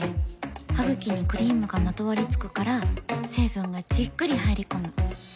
ハグキにクリームがまとわりつくから成分がじっくり入り込む。